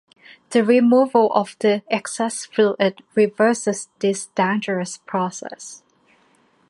The removal of the excess fluid reverses this dangerous process.